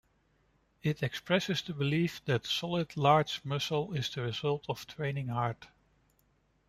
It expresses the belief that solid large muscle is the result of training hard.